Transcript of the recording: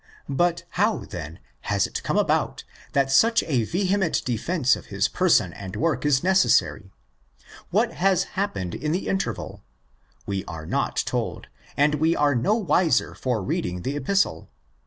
But how, then, has it come about that such a vehement defence of his person and work is neces sary? What has happened in the interval? We are not told, and we are no wiser for reading the Epistle.